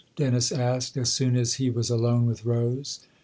" Dennis asked as soon as he was alone with Rose.